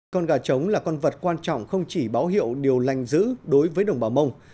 con gà trống là con vật quan trọng không chỉ báo hiệu điều lành giữ đối với đồng bào mông